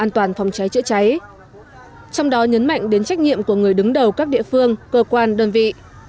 trong đó nhấn mạnh đến trách nhiệm của người đứng đầu các địa phương cơ quan đơn vị